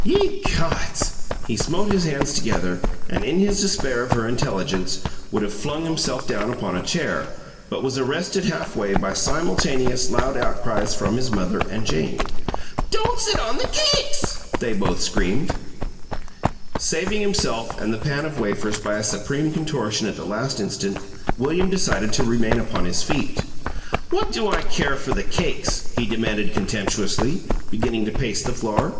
Ye gods!" He smote his hands together and, in his despair of her intelligence, would have flung himself down upon a chair, but was arrested half way by simultaneous loud outcries from his mother and Jane. "Don't sit on the CAKES!" they both screamed. Saving himself and the pan of wafers by a supreme contortion at the last instant, William decided to remain upon his feet. "What do I care for the cakes?" he demanded, contemptuously, beginning to pace the floor.